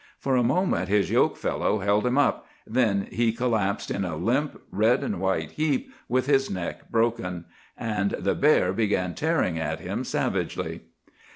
For a moment his yoke fellow held him up, then he collapsed in a limp red and white heap, with his neck broken. And the bear began tearing at him savagely.